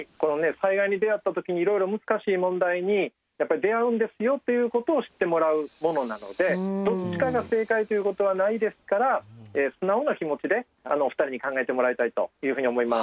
災害に出合った時にいろいろ難しい問題に出合うんですよということを知ってもらうものなのでどっちかが正解ということはないですから素直な気持ちでお二人に考えてもらいたいというふうに思います。